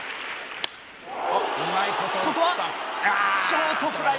ここはショートフライ。